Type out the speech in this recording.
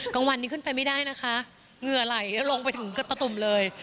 กลางวันนี้ขึ้นไปไม่ได้นะคะเหงื่อไหลลงไปถึงกระตุ่มเลย